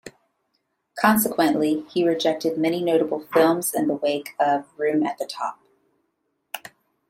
Consequently, he rejected many notable films in the wake of "Room At The Top".